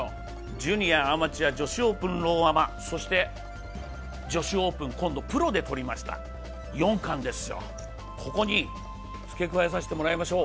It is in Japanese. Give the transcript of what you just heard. ジュニア、アマチュア、女子オープンローアマ、そして女子オープン、今度プロでとりました、４冠ですよ、ここに付け加えさせてもらいましょう。